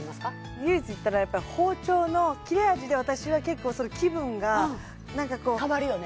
唯一言ったらやっぱり包丁の切れ味で私は結構気分が何かこう変わるよね